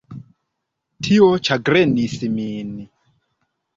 Tio ĉagrenis min.